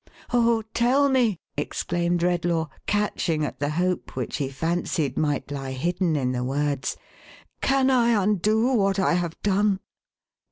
™ "Oh, tell me," exclaimed Kedlaw, catching at the hoj>e which he fancied might lie hidden in the words. " Can I undo what I have done